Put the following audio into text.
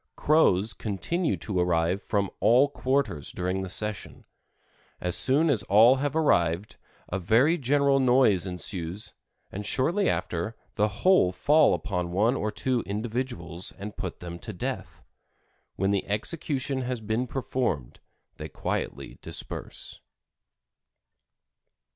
Crows continue to arrive from all quarters during the session. As soon as all have arrived a very general noise ensues, and shortly after the whole fall upon one or two individuals and put them to death. When the execution has been performed they quietly disperse."